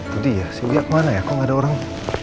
gede ya si uya kemana ya kok gak ada orang